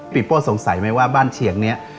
โป้สงสัยไหมว่าบ้านเฉียงนี้